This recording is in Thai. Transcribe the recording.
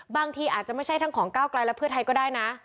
บางทีอาจจะไม่ใช่ทั้งของก้าวไกลและเพื่อไทยก็ได้นะ